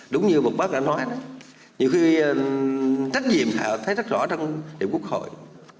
đúng như một bác đã nói đó nhiều khi trách nhiệm thấy rất rõ trong đại biểu quốc hội